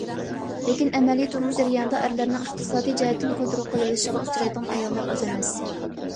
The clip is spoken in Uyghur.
لېكىن ئەمەلىي تۇرمۇش جەريانىدا ئەرلەرنىڭ ئىقتىسادىي جەھەتتىن كونترول قىلىۋېلىشىغا ئۇچرايدىغان ئاياللار ئاز ئەمەس.